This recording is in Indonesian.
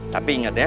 tapi ingat ya